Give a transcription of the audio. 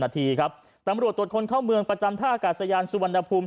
ตำรวจตรวจคนเข้ามืองประจำท่ากัดสยานสุวรรณภูมิ